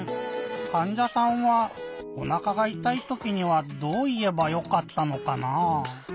かんじゃさんはおなかがいたいときにはどういえばよかったのかなぁ？